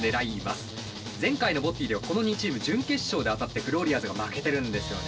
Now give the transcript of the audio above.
前回のＢＯＴＹではこの２チーム準決勝で当たってフローリアーズが負けてるんですよね。